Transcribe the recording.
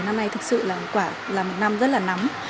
năm nay thực sự là quả là một năm rất là nóng